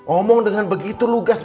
omong dengan begitu lugas